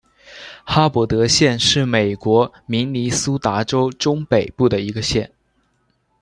哈伯德县是美国明尼苏达州中北部的一个县。